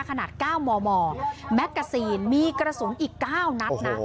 ขนาด๙มมแมกกาซีนมีกระสุนอีก๙นัดนะ